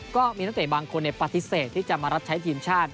ก็มีนักเตะบางคนปฏิเสธที่จะมารับใช้ทีมชาติ